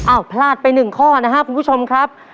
อ้าวพลาดไปหนึ่งข้อนะครับคุณผู้ชมครับ